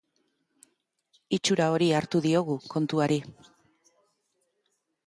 Itxura hori hartu diogu kontuari.